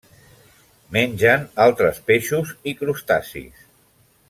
Mengen altres peixos i crustacis.